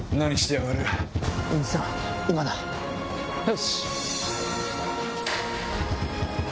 よし！